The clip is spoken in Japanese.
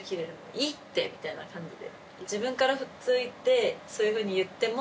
「いいって！」みたいな感じで。